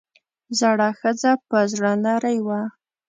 زړه ښځه پۀ زړۀ نرۍ وه ـ